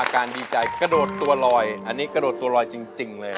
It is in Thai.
การดีใจกระโดดตัวลอยอันนี้กระโดดตัวลอยจริงเลย